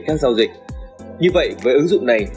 các giao dịch như vậy với ứng dụng này